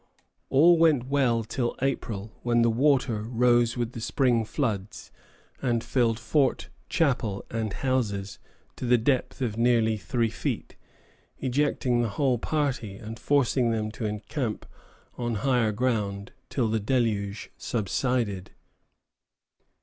All went well till April, when the water rose with the spring floods and filled fort, chapel, and houses to the depth of nearly three feet, ejecting the whole party, and forcing them to encamp on higher ground till the deluge subsided.